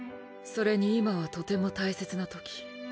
それに今はとても大切なとき。